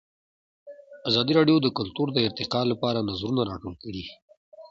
ازادي راډیو د کلتور د ارتقا لپاره نظرونه راټول کړي.